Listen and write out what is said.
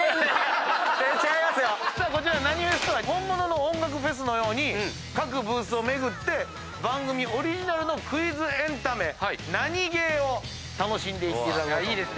こちら何フェスとは本物の音楽フェスのように各ブースを巡って番組オリジナルのクイズエンタメナニゲーを楽しんでいっていただこうと。